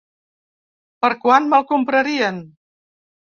Per quant me'l comprarien?